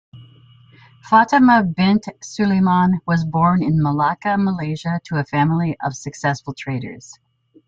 Fatimah binte Sulaiman was born in Malacca, Malaysia, to a family of successful traders.